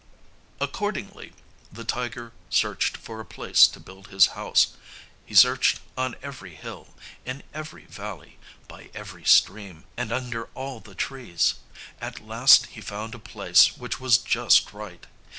Accordingly the tiger searched for a place to build his house. He searched on every hill, in every valley, by every stream, and under all the trees. At last he found a place which was just right.